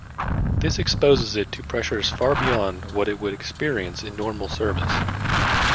This exposes it to pressures far beyond what it would experience in normal service.